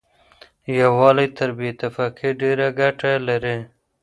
يووالی تر بې اتفاقۍ ډېره ګټه لري.